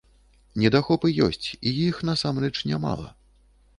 Недахопы ёсць, і іх насамрэч нямала.